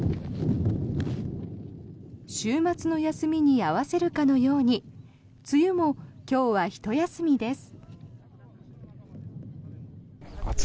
週末の休みに合わせるかのように梅雨も今日はひと休みです。